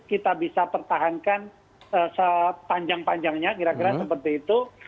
kita bisa pertahankan sepanjang panjangnya kira kira seperti itu